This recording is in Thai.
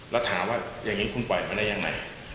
แล้วถามว่าอย่างนี้คุณปล่อยมาได้ยังไง